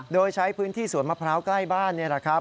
โดยใช้พื้นที่สวนมะพร้าวใกล้บ้านนี่แหละครับ